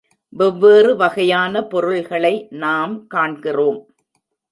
வெவ்வெறு வகையான பொருள்களை நாம் காண்கிறோம்.